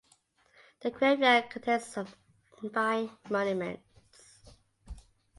The graveyard contains some fine monuments.